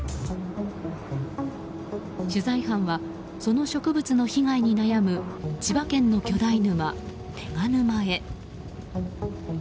取材班は、その植物の被害に悩む千葉県の巨大沼、手賀沼へ。